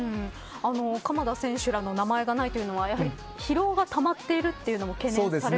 鎌田選手らの名前がないというのは疲労がたまっているというのも懸念されるんですか。